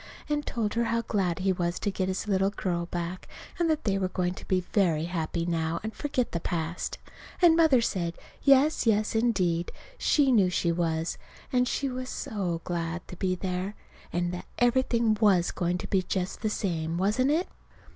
and told her how glad he was to get his little girl back, and that they were going to be very happy now and forget the past. And Mother said, yes, yes, indeed, she knew she was; and she was so glad to be there, and that everything was going to be just the same, wasn't it?